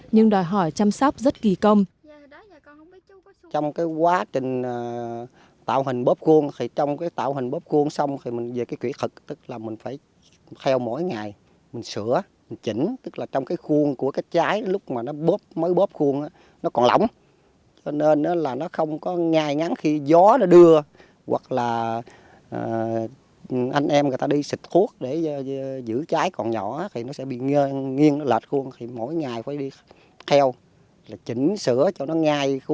nhưng đòi hỏi chăm sóc rất kỳ công